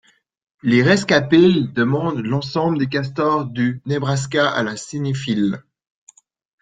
Les rescapées demandent l'ensemble des castors du Nebraska à la cinéphile!